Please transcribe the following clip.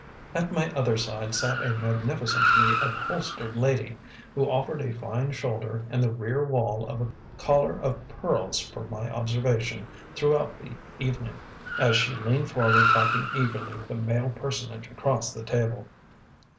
At my other side sat a magnificently upholstered lady, who offered a fine shoulder and the rear wall of a collar of pearls for my observation throughout the evening, as she leaned forward talking eagerly with a male personage across the table.